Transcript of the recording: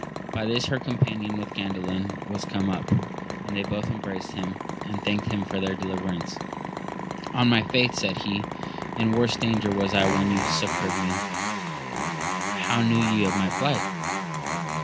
By this her companion with Gandalin was come up, and they both embraced him, and thanked him for their deliverance. On my faith, said he, in worse danger was I when you succoured me : how knew ye of my plight